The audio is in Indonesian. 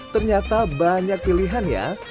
ternyata banyak pilihan ya